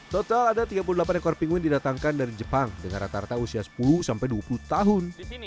total ada tiga puluh delapan ekor pinguin didatangkan dari jepang dengan rata rata usia sepuluh sampai dua puluh tahun